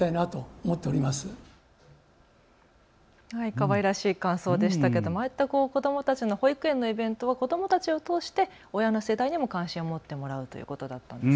かわいらしい感想そうでしたけどああいった子どもたちの保育園のイベントは子どもたちを通して親の世代にも関心を持ってもらうということだったんです。